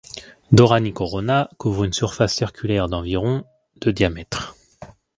Dhorani Corona couvre une surface circulaire d'environ de diamètre.